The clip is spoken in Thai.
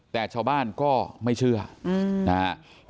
แต่ชาวบ้านก็ไม่เชื่อนะครับ